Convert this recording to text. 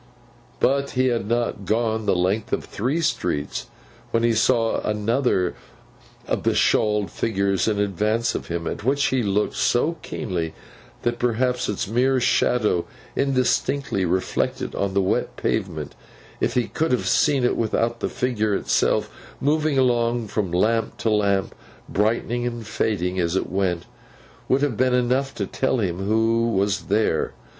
But, he had not gone the length of three streets, when he saw another of the shawled figures in advance of him, at which he looked so keenly that perhaps its mere shadow indistinctly reflected on the wet pavement—if he could have seen it without the figure itself moving along from lamp to lamp, brightening and fading as it went—would have been enough to tell him who was there.